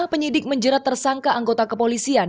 penyidik menjerat tersangka anggota kepolisian